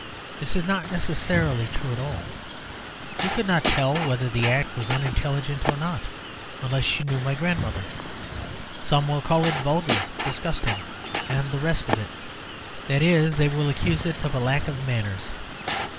This is not necessarily true at all. You could not tell whether the act was unintelligent or not unless you knew my grandmother. Some will call it vulgar, disgusting, and the rest of it; that is, they will accuse it of a lack of manners.